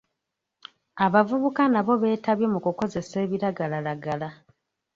Abavubuka nabo beetabye mu ku kozesa ebiragalalagala